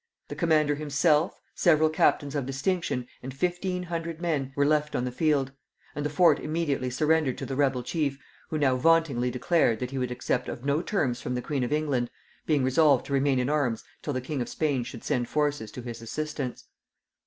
The commander himself, several captains of distinction and fifteen hundred men, were left on the field; and the fort immediately surrendered to the rebel chief, who now vauntingly declared, that he would accept of no terms from the queen of England, being resolved to remain in arms till the king of Spain should send forces to his assistance.